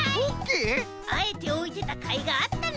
あえておいてたかいがあったな。